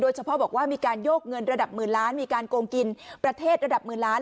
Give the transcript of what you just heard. เฉพาะบอกว่ามีการโยกเงินระดับหมื่นล้านมีการโกงกินประเทศระดับหมื่นล้าน